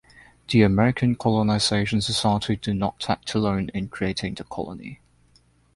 The American Colonization Society did not act alone in creating the colony.